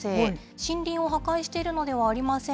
森林を破壊しているのではありません。